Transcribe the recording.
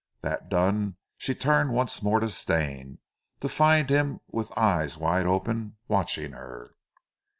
That done, she turned once more to Stane, to find him with eyes wide open, watching her.